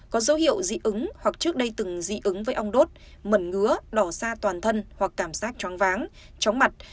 có dấu hiệu dị ứng hoặc trước đây từng dị ứng với ong đốt mẩn ngứa đỏ xa toàn thân hoặc cảm giác choáng váng chóng mặt